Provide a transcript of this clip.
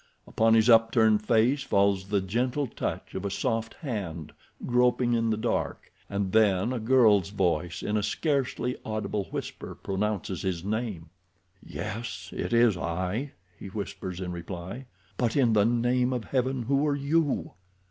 Upon his upturned face falls the gentle touch of a soft hand groping in the dark, and then a girl's voice in a scarcely audible whisper pronounces his name. "Yes, it is I," he whispers in reply. "But in the name of Heaven who are you?"